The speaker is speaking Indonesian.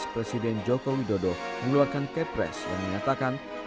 presiden jokowi dodo mengeluarkan kepres yang mengatakan